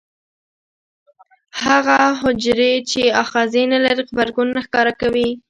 هغه حجرې چې آخذې نه لري غبرګون نه ښکاره کوي.